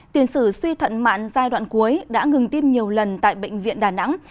tiền sử suy thận mạng giai đoạn cuối đã ngừng tiêm nhiều lần tại bệnh viện đà nẵng